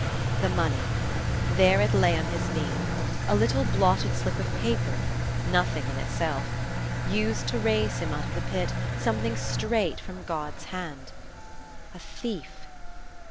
The money, there it lay on his knee, a little blotted slip of paper, nothing in itself; used to raise him out of the pit, something straight from God's hand. A thief!